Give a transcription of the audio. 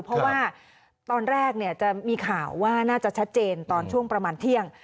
เพราะว่าตอนแรกจะมีข่าวว่าน่าจะชัดเจนตอนช่วงประมาณเที่ยง